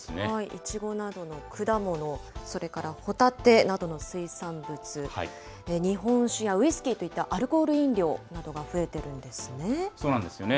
いちごなどの果物、それからホタテなどの水産物、日本酒やウイスキーといったアルコール飲料などが増えてるんですそうなんですね。